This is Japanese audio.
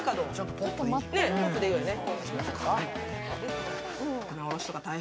ポップでいいよね。